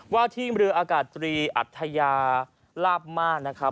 ว่าที่บริเวณอากาศตรีอัตยาลาบม่านนะครับ